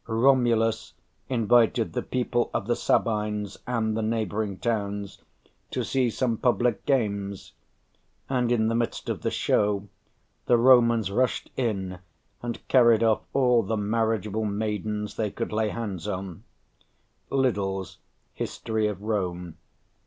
Romulus invited the people of the Sabines and the neighbouring towns to see some public games, and in the midst of the show the Romans rushed in and carried off all the marriageable maidens they could lay hands on (Liddell's "History of Rome," p.